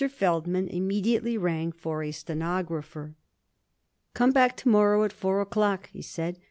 Feldman immediately rang for a stenographer. "Come back to morrow at four o'clock," he said.